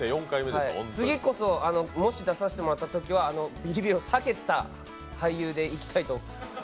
次こそ、もし出させてもらったときは、ビリビリを避けた俳優でいきたいと思っています。